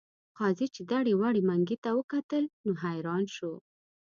قاضي چې دړې وړې منګي ته وکتل نو حیران شو.